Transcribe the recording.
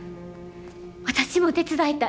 私も手伝いたい。